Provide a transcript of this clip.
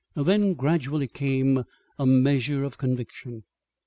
Then, gradually, came a measure of conviction.